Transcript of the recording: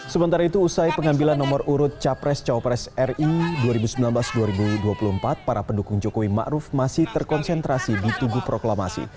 sementara itu usai pengambilan nomor urut capres cawapres ri dua ribu sembilan belas dua ribu dua puluh empat para pendukung jokowi ⁇ maruf ⁇ masih terkonsentrasi di tugu proklamasi